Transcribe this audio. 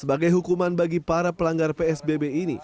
sebagai hukuman bagi para pelanggar psbb ini